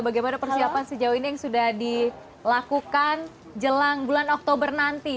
bagaimana persiapan sejauh ini yang sudah dilakukan jelang bulan oktober nanti